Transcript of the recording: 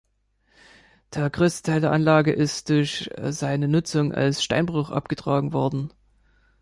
Der größte Teil der Anlage ist durch seine Nutzung als Steinbruch abgetragen worden.